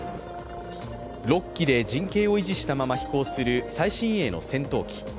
６機で陣形を維持したまま飛行する最新鋭の戦闘機。